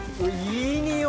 いい匂い！